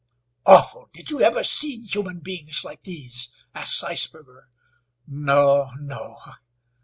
"Awful! Did you ever see human beings like these?" asked Zeisberger. "No, no!"